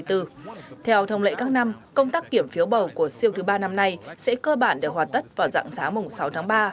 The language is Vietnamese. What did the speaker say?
theo thông lệ các năm công tác kiểm phiếu bầu của siêu thứ ba năm nay sẽ cơ bản được hoạt tất vào dạng sáng